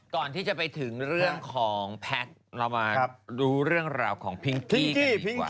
ก่อนที่จะไปถึงเรื่องของแพทย์เรามารู้เรื่องราวของพิงกี้กันดีกว่า